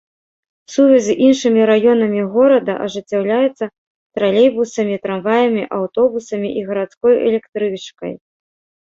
Сувязь з іншымі раёнамі горада ажыццяўляецца тралейбусамі, трамваямі, аўтобусамі і гарадской электрычкай.